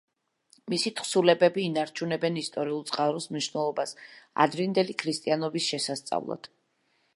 მათი თხზულებები ინარჩუნებენ ისტორიულ წყაროს მნიშვნელობას ადრინდელი ქრისტიანობის შესასწავლად.